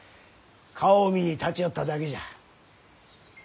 顔を見に立ち寄っただけじゃ。